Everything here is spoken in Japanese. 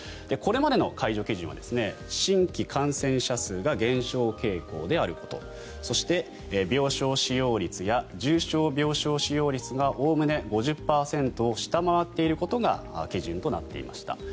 これまでの解除基準は新規感染者数が減少傾向であることそして病床使用率や重症病床使用率がおおむね５０％を下回っていることが基準となっていました。